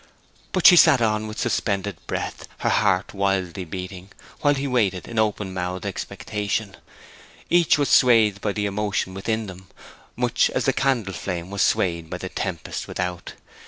But she sat on with suspended breath, her heart wildly beating, while he waited in open mouthed expectation. Each was swayed by the emotion within them, much as the candle flame was swayed by the tempest without.